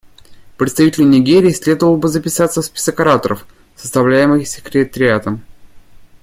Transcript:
Представителю Нигерии следовало бы записаться в список ораторов, составляемый Секретариатом.